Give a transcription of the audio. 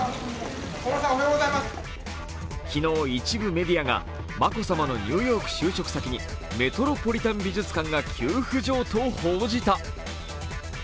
昨日、一部メディアが眞子さまのニューヨーク就職先にメトロポリタン美術館が急浮上と報じた。